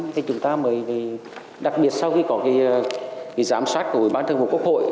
thì chúng ta mới đặc biệt sau khi có cái giám sát của bộ bán thường vụ quốc hội